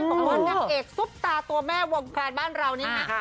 บอกว่านางเอกซุปตาตัวแม่วงการบ้านเรานี่นะ